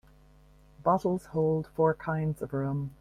Bottles hold four kinds of rum.